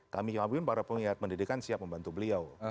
kami mungkin para pengeliat pendidikan siap membantu beliau